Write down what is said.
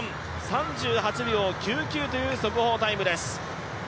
３８秒９９という速報タイムです。